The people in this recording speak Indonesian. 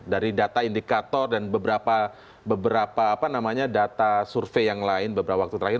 dari data indikator dan beberapa data survei yang lain beberapa waktu terakhir